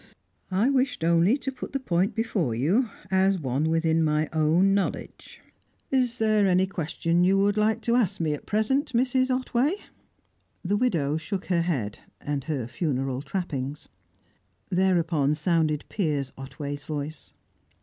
I wished only to put the point before you, as one within my own knowledge. Is there any question you would like to ask me at present, Mrs. Otway?" The widow shook her head (and her funeral trappings). Thereupon sounded Piers Otway's voice.